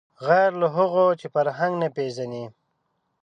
غیر له هغو چې فرهنګ نه پېژني